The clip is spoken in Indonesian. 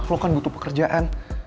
lo kan butuh pekerjaan